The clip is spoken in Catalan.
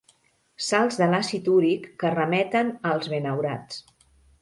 Sals de l'àcid úric que remeten als benaurats.